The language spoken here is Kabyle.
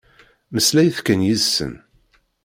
Mmeslayet kan yid-sen.